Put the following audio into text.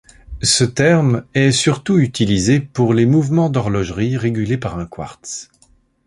Ce terme est surtout utilisé pour les mouvements d'horlogerie régulés par un quartz.